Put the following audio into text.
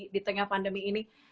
di tengah pandemi ini